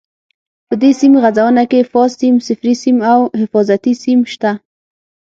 په دې سیم غځونه کې فاز سیم، صفري سیم او حفاظتي سیم شته.